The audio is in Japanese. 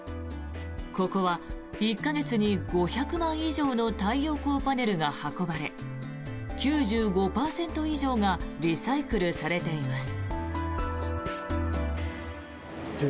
ここは１か月に５００枚以上の太陽光パネルが運ばれ９５％以上がリサイクルされています。